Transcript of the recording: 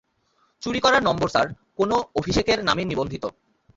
চুরি করা নম্বর, স্যার, কোন অভিষেকের নামে নিবন্ধিত।